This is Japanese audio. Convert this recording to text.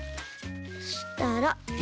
そしたら。